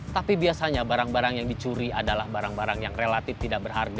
tapi biasanya barang barang yang dicuri adalah barang barang yang relatif tidak berharga